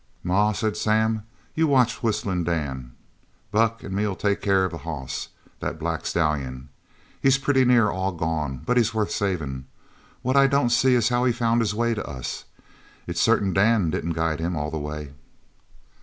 "Ma," said Sam, "you watch Whistlin' Dan. Buck an' me'll take care of the hoss that black stallion. He's pretty near all gone, but he's worth savin'. What I don't see is how he found his way to us. It's certain Dan didn't guide him all the way."